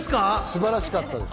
素晴らしかった。